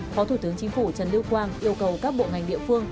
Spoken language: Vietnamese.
phó thủ tướng chính phủ trần lưu quang yêu cầu các bộ ngành địa phương